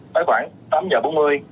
tới khoảng tám giờ bốn mươi